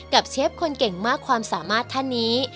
เชฟคนเก่งมากความสามารถท่านนี้